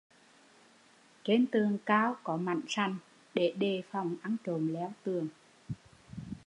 Trên tường cao có mảnh sành để đề phòng ăn trộm leo tường